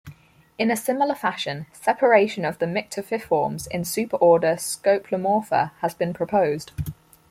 In a similar fashion, separation of the Myctophiformes in superorder "Scopelomorpha" has been proposed.